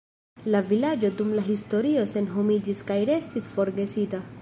La vilaĝo dum la historio senhomiĝis kaj restis forgesita.